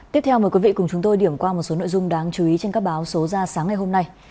tiếp theo mời quý vị cùng chúng tôi điểm qua một số nội dung đáng chú ý trên các báo số ra sáng ngày hôm nay